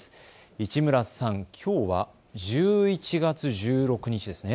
市村さん、きょうは１１月１６日ですね。